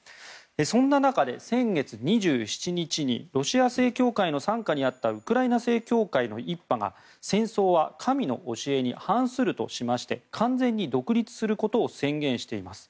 そんな中で先月２７日にロシア正教会の傘下にあったウクライナ正教会の一派が戦争は神の教えに反するとしまして完全に独立することを宣言しています。